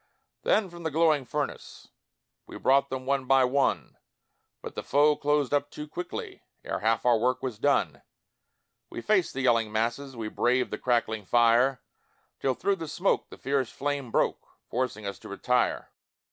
Then from the glowing furnace We brought them one by one, But the foe closed up too quickly, Ere half our work was done; We faced the yelling masses, We braved the crackling fire, Till through the smoke the fierce flame broke, Forcing us to retire.